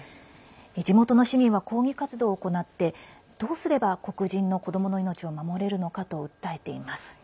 地元の市民は抗議活動を行ってどうすれば黒人の子どもの命を守れるのかと訴えています。